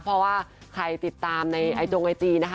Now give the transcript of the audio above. เพราะว่าใครติดตามในไอจงไอจีนะคะ